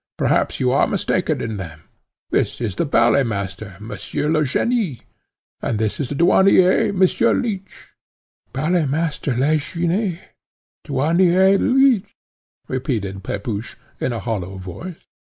Perhaps you are mistaken in them. This is the ballet master, Monsieur Legénie, and this the Douanier, Monsieur Leech." "Ballet master Legénie! Douanier Leech!" repeated Pepusch, in a hollow voice.